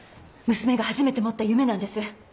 娘が初めて持った夢なんです。